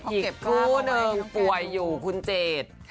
เก็บคู่หนึ่งป่วยอยู่คุณเจด